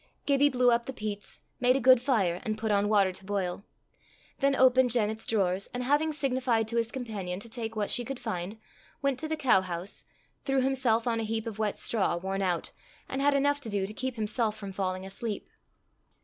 Gibbie blew up the peats, made a good fire, and put on water to boil; then opened Janet's drawers, and having signified to his companion to take what she could find, went to the cow house, threw himself on a heap of wet straw, worn out, and had enough to do to keep himself from falling asleep.